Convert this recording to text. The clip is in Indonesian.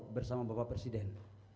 bersama bapak presiden